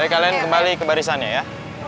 baik kalian kembali ke barisannya ya